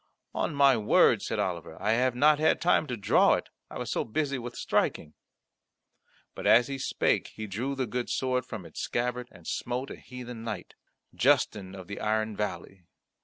"On my word," said Oliver, "I have not had time to draw it; I was so busy with striking." But as he spake he drew the good sword from its scabbard, and smote a heathen knight, Justin of the Iron Valley.